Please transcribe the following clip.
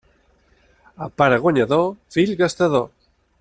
A pare guanyador, fill gastador.